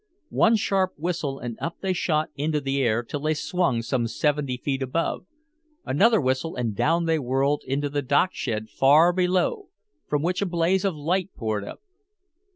One sharp whistle and up they shot into the air till they swung some seventy feet above. Another whistle and down they whirled into the dockshed far below from which a blaze of light poured up.